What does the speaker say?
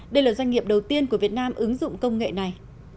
đây là doanh nghiệp đầu tiên của việt nam ứng dụng công nghệ này